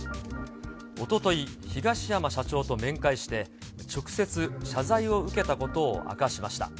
おととい、東山社長と面会して、直接謝罪を受けたことを明かしました。